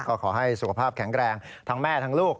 ก็ขอให้สุขภาพแข็งแรงทั้งแม่ทั้งลูก